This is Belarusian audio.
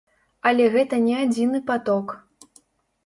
Але гэта не адзіны паток.